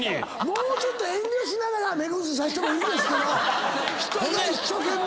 もうちょっと遠慮しながら目薬差してもいいですけど人が一生懸命。